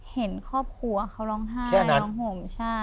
เห็นครอบครัวเขาร้องไห้ร้องห่มใช่